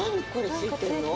付いてるの？